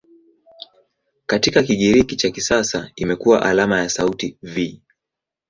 Katika Kigiriki cha kisasa imekuwa alama ya sauti "V".